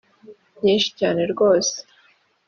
byinshi cyane rwose